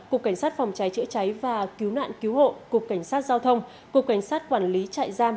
cục cảnh sát phòng cháy chữa cháy và cứu nạn cứu hộ cục cảnh sát giao thông cục cảnh sát quản lý trại giam